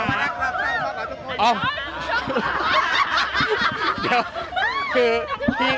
รักรักรักรักรักรักทุกคน